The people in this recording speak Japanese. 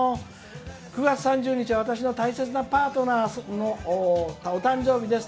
「９月３０日は、私の大切なパートナーのお誕生日です」。